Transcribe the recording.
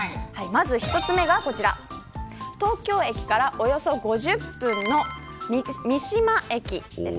１つ目はこちら東京駅からおよそ５０分の三島駅です。